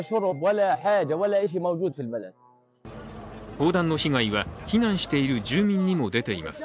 砲弾の被害は避難している住民にも出ています。